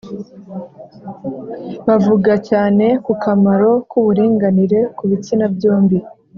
buvuga cyane ku kamaro k’uburinganire ku bitsina byombi